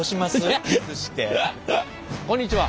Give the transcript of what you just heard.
こんにちは。